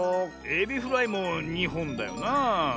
エビフライも２ほんだよなあ。